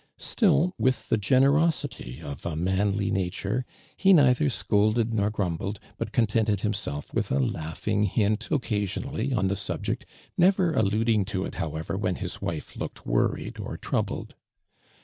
Still, with tlu' seneio.iityof a ninnly nalare, he neither sooKled nor grum bled, but contented hiniHelf with a laugh ing liint occasionally on the subject, never alliidinp to it, liowever. when his wile looked worried or troubled.